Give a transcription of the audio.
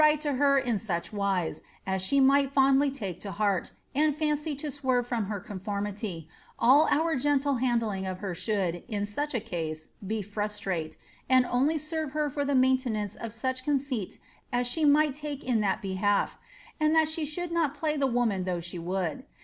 'T m such wise, as she might fondly lake to heart, and fancy to iiom bcT conformiLy, all our gentle handling of her should, in such casO^ be frusiraic, and only serve lier for the maintenance of such conceit as the might take in that behalf, and thai she should not play the woman ihougli she would.